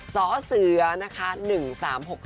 ซเสือ๑๓๖๓ปรุงเพศมหานคร